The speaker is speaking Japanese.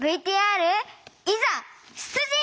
ＶＴＲいざ出陣！